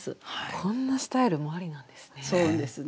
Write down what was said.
こんなスタイルもありなんですね。